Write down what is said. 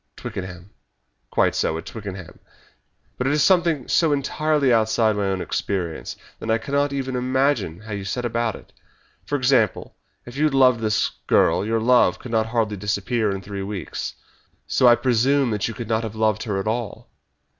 "Twickenham." "Quite so at Twickenham. But it is something so entirely outside my own experience that I cannot even imagine how you set about it. For example, if you had loved this girl your love could hardly disappear in three weeks, so I presume that you could not have loved her at all.